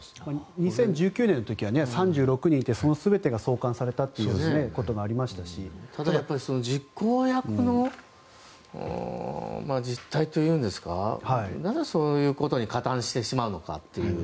２０１９年の時には３６人いてその全てが送還されたというのが実行役の実態というかなぜ、そういうことに加担してしまうのかという。